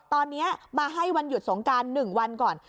ตอนนี้มาให้วันหยุดสงการ๑วันก่อน